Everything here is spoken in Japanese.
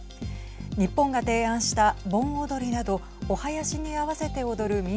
日本が提案した盆踊りなどお囃子に合わせて踊る民俗